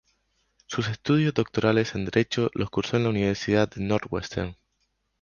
Sus estudios doctorales en Derecho los cursó en la Universidad Northwestern.